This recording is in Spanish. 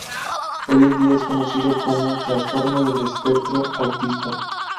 Hoy en día es conocido como trastorno del espectro autista.